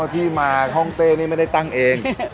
ที่มาห้องเต้นี่ไม่ได้ตั้งเอง